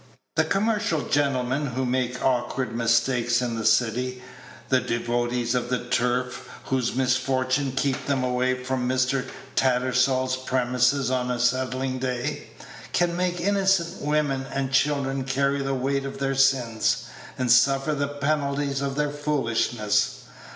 The commercial gentlemen who make awkward mistakes in the city, the devotees of the turf whose misfortunes keep them away from Mr. Tattersall's premises on a settling day, can make innocent women and children carry the weight of their sins, and suffer the penalties of their foolishness.